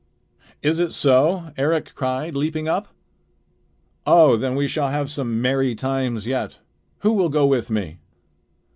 "Is it so?" Eric cried, leaping up. "Oh! then we shall have some merry times yet. Who will go with me?"